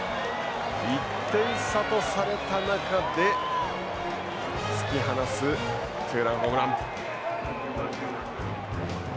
１点差とされた中で突き放すツーランホームラン。